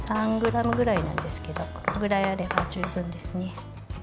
３ｇぐらいなんですけどこれぐらいあれば十分ですね。